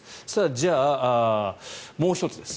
じゃあ、もう１つです。